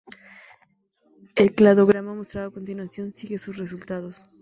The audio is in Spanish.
El cladograma mostrado a continuación sigue sus resultados.